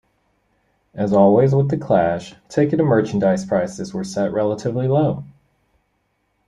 As always with The Clash, ticket and merchandise prices were set relatively low.